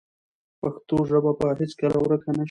پښتو ژبه به هیڅکله ورکه نه شي.